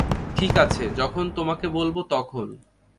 ঠিক আছে, যখন তোমাকে বলবো, তখন।